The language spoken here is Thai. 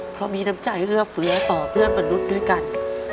เพราะมีน้ำใจเอื้อเฟื้อต่อเพื่อนมนุษย์ด้วยกัน